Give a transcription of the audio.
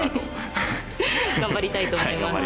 頑張りたいと思います。